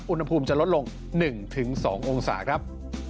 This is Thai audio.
อุณหภูมิจะลดลง๑๒องศาครับ